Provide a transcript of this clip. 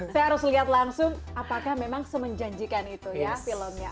saya harus lihat langsung apakah memang semenjanjikan itu ya filmnya